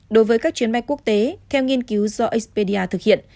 đối với các chuyến bay quốc tế theo nghiên cứu do spda thực hiện